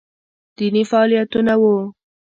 دیني فعالیتونه وو